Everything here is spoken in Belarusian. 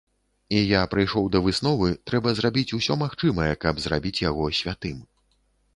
І я прыйшоў да высновы, трэба зрабіць усё магчымае, каб зрабіць яго святым.